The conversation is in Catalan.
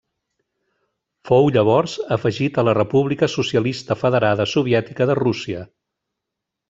Fou llavors afegit a la República Socialista Federada Soviètica de Rússia.